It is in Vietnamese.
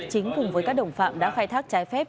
chính cùng với các đồng phạm đã khai thác trái phép